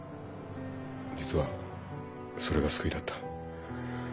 実はそれが救いだった。